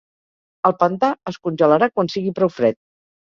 El pantà es congelarà quan sigui prou fred.